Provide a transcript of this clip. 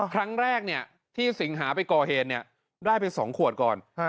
ครั้งแรกที่สิงหาไปก่อเหตุได้ไป๒ขวดก่อน